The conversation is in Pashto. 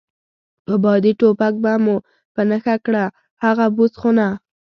په بادي ټوپک به مو په نښه کړه، هغه بوس خونه.